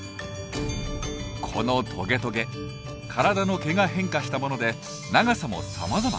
このトゲトゲ体の毛が変化したもので長さもさまざま。